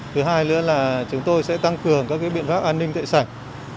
thứ hai nữa là chúng tôi sẽ tăng cường các biện pháp an ninh tại sạch